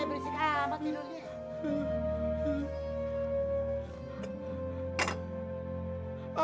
berisik amat tidurnya